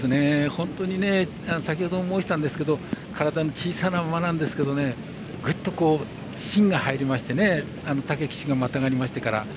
本当にね先ほども申したんですけど体の小さな馬なんですけどぐっと、芯が入りましてね武騎手が、またがりましてから。